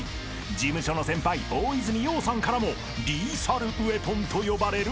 ［事務所の先輩大泉洋さんからも「リーサルウェポン」と呼ばれる男］